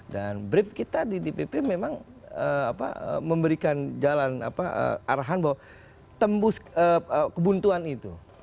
dan brief kita di dpp memang memberikan jalan arahan bahwa tembus kebuntuan itu